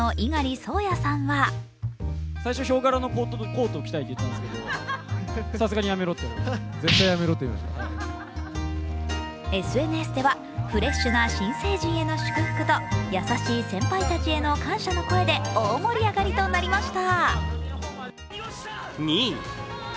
蒼弥さんはＳＮＳではフレッシュな新成人への祝福と優しい先輩たちへの感謝の声で大盛り上がりとなりました。